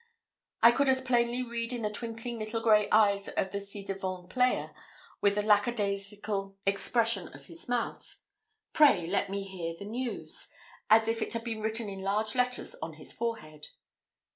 I could as plainly read in the twinkling little grey eyes of the ci devant player, and the lack a daisical expression of his mouth, "Pray let me hear the news," as if it had been written in large letters on his forehead.